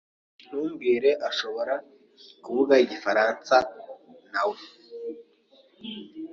Ntumbwire ashobora kuvuga igifaransa, nawe.